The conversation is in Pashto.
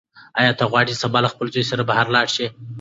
ایا ته غواړې چې سبا له خپل زوی سره بهر لاړه شې؟